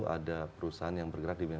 ada perusahaan yang bergerak di bidang